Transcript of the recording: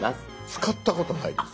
使ったことないです。